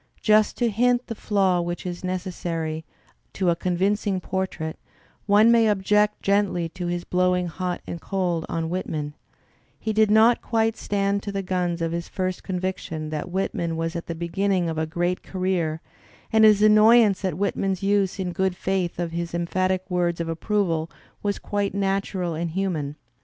Just to hint the fiaw which is necessary to a convincing portrait^ one may object gently to his blowing hot and cold on Whit man; he did not quite stand to the guns of his first convic tion that Whitman was at the beginning of "a great career," and his annoyance at Whitman's use in good faith of his emphatic words of approval was quite natural and human.